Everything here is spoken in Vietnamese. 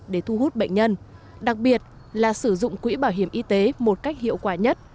để thu hút bệnh nhân đặc biệt là sử dụng quỹ bảo hiểm y tế một cách hiệu quả nhất